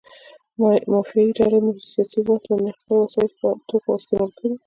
مافیایي ډلې مو د سیاسي واټ د نقلیه وسایطو په توګه استعمال کړي.